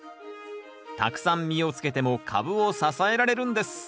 たくさん実をつけても株を支えられるんです。